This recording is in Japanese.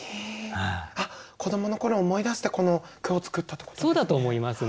あっ子どもの頃を思い出してこの句を作ったってことですね。